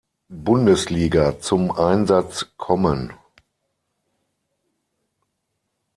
Bundesliga zum Einsatz kommen.